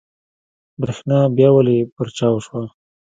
برېښنا بيا ولې پرچاو شوه؟